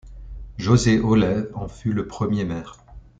Jose Aulet en fut le premier maire.